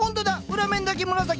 裏面だけ紫！